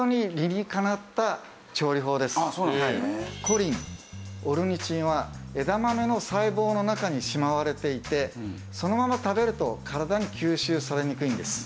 コリンオルニチンは枝豆の細胞の中にしまわれていてそのまま食べると体に吸収されにくいんです。